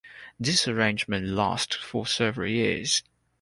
This arrangement lasted for several years.